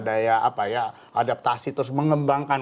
daya adaptasi terus mengembangkan